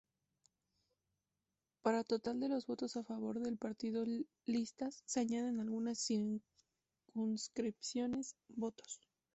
Para total de los votos a favor del partido-listas, se añaden algunas circunscripciones-votos.